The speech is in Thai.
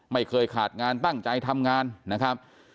ไม่เคยขาดงานตั้งใจทำงานนะครับ